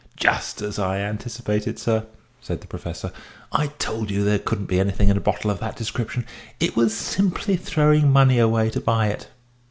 "Just as I anticipated, sir," said the Professor. "I told you there couldn't be anything in a bottle of that description; it was simply throwing money away to buy it."